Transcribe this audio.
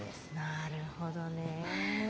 なるほどね。